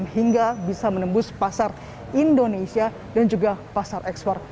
hingga bisa menembus pasar indonesia dan juga pasar ekspor